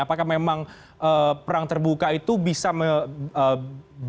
apakah memang perang terbuka itu bisa menyebabkan